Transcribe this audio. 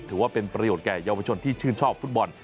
ถือว่าเป็นประโยชน์แก่เยาวชนที่ชื่นชอบฟุตบอล